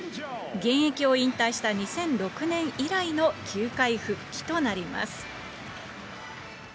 現役を引退した２００６年以来の球界復帰となります。